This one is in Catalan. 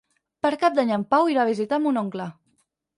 Per Cap d'Any en Pau irà a visitar mon oncle.